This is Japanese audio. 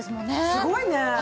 すごいね！